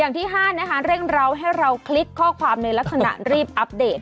ที่๕นะคะเร่งเราให้เราคลิกข้อความในลักษณะรีบอัปเดต